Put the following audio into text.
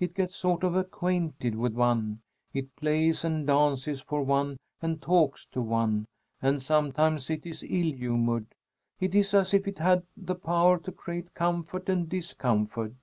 It gets sort of acquainted with one. It plays and dances for one and talks to one, and sometimes it is ill humored. It is as if it had the power to create comfort and discomfort.